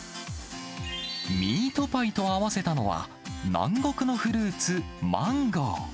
ミートパイと合わせたのは、南国のフルーツ、マンゴー。